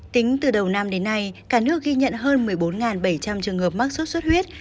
tính từ đầu năm đến nay cả nước ghi nhận hơn một mươi bốn bảy trăm linh trường hợp mắc sốt xuất huyết